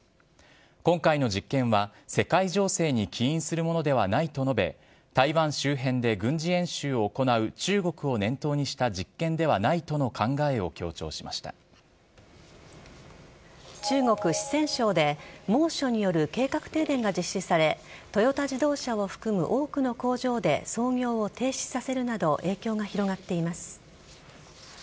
今回の実験は、世界情勢に起因するものではないと述べ台湾周辺で軍事演習を行う中国を念頭にした実験ではないとの考えを中国・四川省で猛暑による計画停電が実施されトヨタ自動車を含む多くの工場で操業を停止させるなど影響が広がっています。